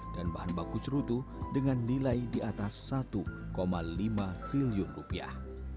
dan bahan baku cerutu dengan nilai di atas satu lima triliun rupiah